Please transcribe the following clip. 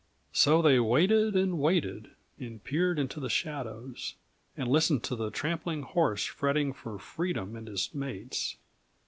So they waited and waited, and peered into the shadows, and listened to the trampling horse fretting for freedom and his mates.